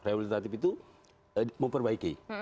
rehabilitatif itu memperbaiki